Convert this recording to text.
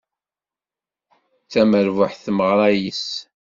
D tamerbuḥt tmeɣra yes-s.